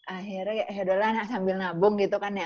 akhirnya yaudah lah sambil nabung gitu kan ya